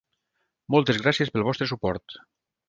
Moltes gràcies pel vostre suport.